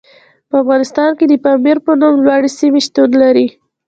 په افغانستان کې د پامیر په نوم لوړې سیمې شتون لري.